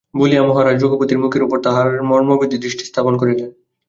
বলিয়া মহারাজ রঘুপতির মুখের উপর তাঁহার মর্মভেদী দৃষ্টি স্থাপন করিলেন।